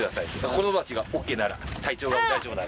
子供たちがオッケーなら体調が大丈夫なら。